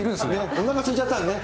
おなかすいちゃったんですね。